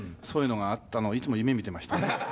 そういうのがあったのをいつも夢見てましたね」